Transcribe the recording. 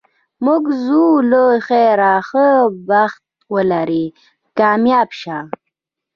موږ ځو له خیره، ښه بخت ولرې، کامیاب شه.